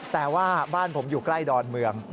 แต่ว่าบ้านผมอยู่ใกล้ดอนเมือง